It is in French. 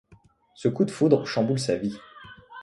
Ce coup de foudre chamboule sa vie.